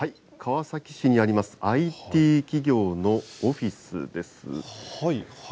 川崎市にありますＩＴ企業のオフィスです。